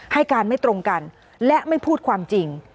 ให้การไม่ตรงกันและไม่พูดความจริง